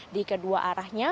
di kedua arahnya